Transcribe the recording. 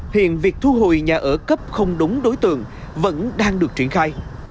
hiện việc thu hồi nhà ở cấp không đúng đối tượng vẫn đang được triển khai